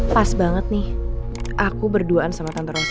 pas banget nih aku berduaan sama tante ros